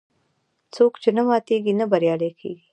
څوک چې نه ماتیږي، نه بریالی کېږي.